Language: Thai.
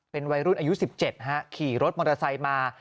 เป็นวัยรุ่นอายุ๑๗ขี่รถมอเตอร์ไซค์มา